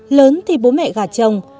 lớn thì bố mẹ gả chồng